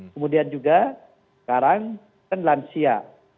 kemudian juga sekarang kan lansia